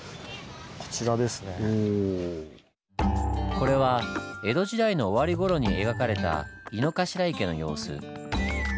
これは江戸時代の終わり頃に描かれた井の頭池の様子。